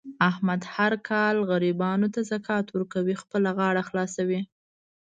احمد هر کال غریبانو ته زکات ورکوي. خپله غاړه خلاصوي.